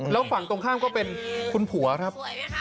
แล้วฝั่งตรงข้ามก็เป็นคุณผัวครับ